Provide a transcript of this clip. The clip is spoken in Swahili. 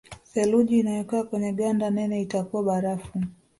Theluji inayokaa kwenye ganda nene itakuwa barafu